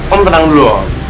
om tenang dulu om